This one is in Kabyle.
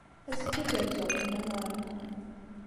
Azekka, ad d-rzuɣ fell-am ɣer uxxam.